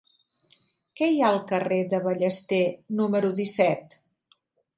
Què hi ha al carrer de Ballester número disset?